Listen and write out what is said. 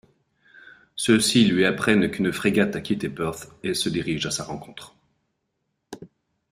Ceux-ci lui apprennent qu'une frégate a quitté Perth et se dirige à sa rencontre.